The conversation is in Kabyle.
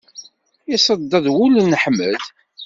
Iṣedded wul n Ḥmed.